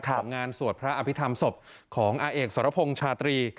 ของงานสวดพระอภิษภัมศ์สบของอเอกสรพชาตรี